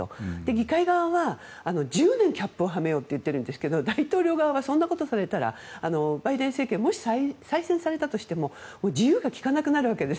議会側は１０年キャップをはめようと言ってるんですが大統領側はそんなことされたらバイデン政権もし再選されたとしても自由が利かなくなるわけです。